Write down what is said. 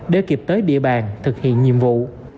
để kịp tới địa bàn thực hiện nhiệm vụ